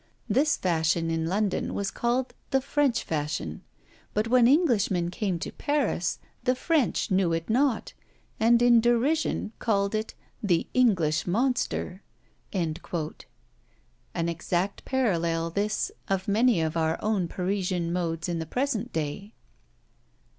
This fashion in London was called the French fashion; but when Englishmen came to Paris, the French knew it not, and in derision called it the English monster." An exact parallel this of many of our own Parisian modes in the present day.